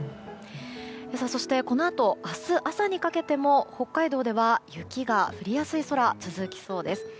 そして、このあと明日朝にかけても北海道では雪が降りやすい空続きそうです。